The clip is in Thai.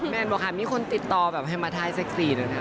แนนบอกค่ะมีคนติดต่อแบบให้มาถ่ายเซ็กซี่หน่อยค่ะ